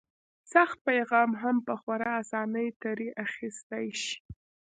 سخت پیغام هم په خورا اسانۍ ترې اخیستی شي.